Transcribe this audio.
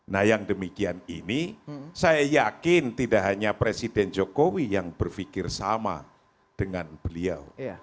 nah yang demikian ini saya yakin tidak hanya presiden jokowi yang berpikir sama dengan beliau